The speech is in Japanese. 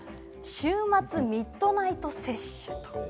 週末ミッドナイト接種。